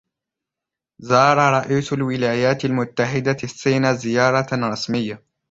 زار رئيسُ الولايات المتحدة الصينَ زيارةً رسمية.